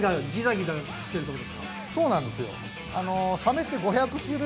そうなんですよ。